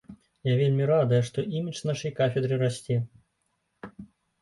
Я вельмі радая, што імідж нашай кафедры расце.